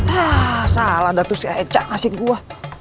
ah salah datusnya eca ngasihin gua